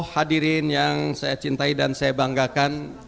hadirin yang saya cintai dan saya banggakan